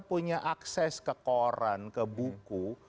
punya akses ke koran ke buku